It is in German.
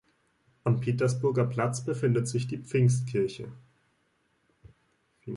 Am Petersburger Platz befindet sich die Pfingstkirche.